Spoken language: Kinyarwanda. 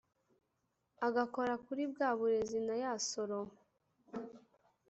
agakora kurí bwáa burézi na yáa soro